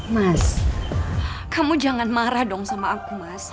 mas kamu jangan marah dong sama aku mas